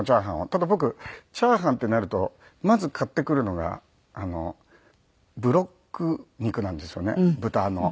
ただ僕チャーハンってなるとまず買ってくるのがブロック肉なんですよね豚の。